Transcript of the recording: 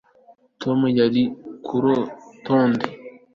tom yari kurutonde